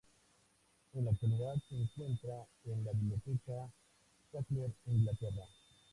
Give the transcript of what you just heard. En la actualidad se encuentra en la Biblioteca Sackler, Inglaterra.